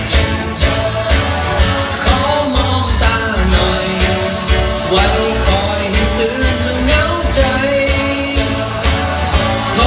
ขอมองตาหน่อยไว้คอยให้ตื่นมาเหงาใจ